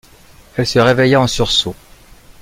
Elle se réveilla en sursaut.